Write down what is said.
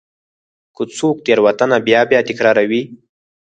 که څوک تېروتنه بیا بیا تکراروي.